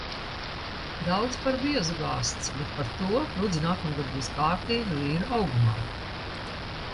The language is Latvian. Daudz par biezu gāzts, bet par to rudzi nākamgad būs kārtīga vīra augumā.